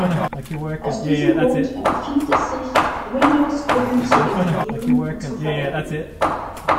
Aus diesem Grund empfiehlt es sich, Windows-Gruppen zu definieren und zu verwenden.